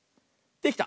できた！